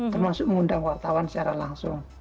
termasuk mengundang wartawan secara langsung